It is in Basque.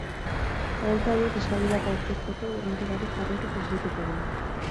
Laguntza horiek eskabideak aurkezteko hurrenkerari jarraikiz esleituko dira.